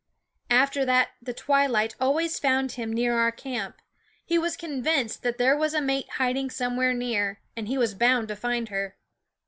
After that the twilight always found him near our camp. He was convinced that there was a mate hiding somewhere near, and he was bound to find her.